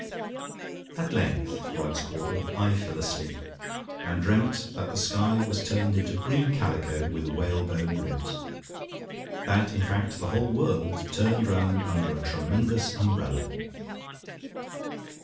"At length," writes Caudle, "I fell asleep; and dreamt that the sky was turned into green calico, with whalebone ribs; that, in fact, the whole world turned round under a tremendous umbrella!"